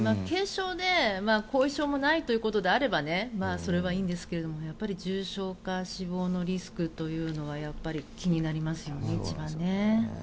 軽症で後遺症もないということであればそれはいいんですけれどもやっぱり重症化死亡のリスクというのは一番気になりますね。